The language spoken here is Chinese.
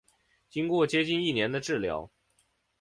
经过接近一年的治疗